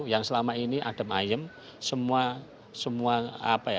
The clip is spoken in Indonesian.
yang selama ini adem ayem semua apa ya